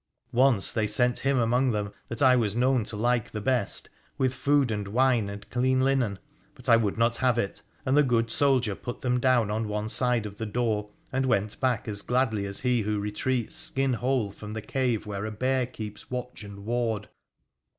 Once they sent him among them that I was known to like the best with food and wine and clean linen, but I would not have it, and the good soldier put them down on one side of the door and w°ut back as gladly as he who retreats skin whole from the cave where a bear keeps watch and ward.